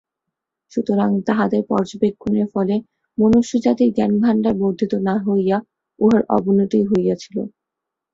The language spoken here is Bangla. সুতরাং তাহাদের পর্যবেক্ষণের ফলে মনুষ্যজাতির জ্ঞানভাণ্ডার বর্ধিত না হইয়া উহার অবনতিই হইয়াছিল।